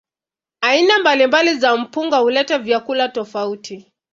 Aina mbalimbali za mpunga huleta vyakula tofauti.